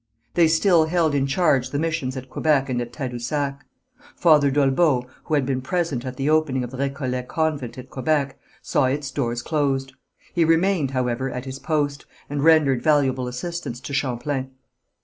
They still held in charge the missions at Quebec and at Tadousac. Father d'Olbeau, who had been present at the opening of the Récollet convent at Quebec, saw its doors closed. He remained, however, at his post, and rendered valuable assistance to Champlain.